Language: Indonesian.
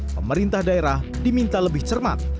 pemerintah daerah diminta lebih cermat